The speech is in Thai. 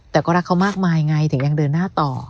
แต่ก็รักเขามากมายไงถึงยังเดินหน้าต่อ